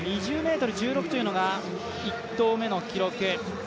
２０ｍ１６というのが１投目の記録。